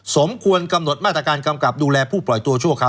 สมควรกำหนดมาตรการกำกับดูแลผู้ปล่อยตัวชั่วคราว